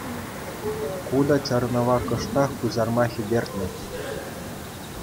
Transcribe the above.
Ку та чарӑнӑва кӑштах куҫарма хӗтӗртнӗ.